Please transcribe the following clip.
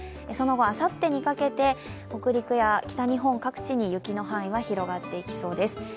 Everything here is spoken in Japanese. その後、あさってにかけて北陸や北日本各地に雪の範囲は広がっていきそうです。